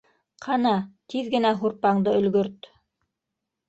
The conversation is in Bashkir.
— Ҡана, тиҙ генә һурпаңды өлгөрт.